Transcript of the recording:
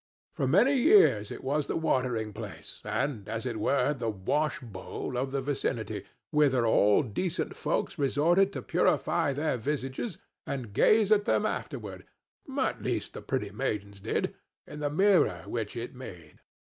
For many years it was the watering place, and, as it were, the washbowl, of the vicinity, whither all decent folks resorted to purify their visages and gaze at them afterward—at least, the pretty maidens did—in the mirror which it made.